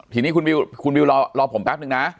ทีนี้คุณวิวรอผมแป๊บนึงนะ